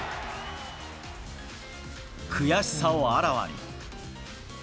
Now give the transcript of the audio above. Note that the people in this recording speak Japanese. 悔しさをあらわに。